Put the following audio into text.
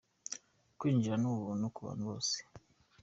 Kwinjira ni ubuntu ku bantu bose.